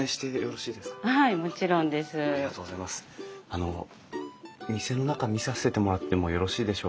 あの店の中見させてもらってもよろしいでしょうか？